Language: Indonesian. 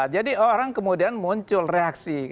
jadi orang kemudian muncul reaksi